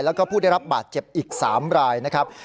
แล้วก็ผู้ได้รับบาดเจ็บอีก๓รายนะครับ